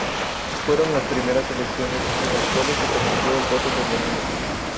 Fueron las primeras elecciones en las cuales se permitió el voto femenino.